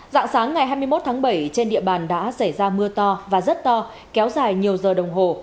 dạng sáng ngày hai mươi một tháng bảy trên địa bàn đã xảy ra mưa to và rất to kéo dài nhiều giờ đồng hồ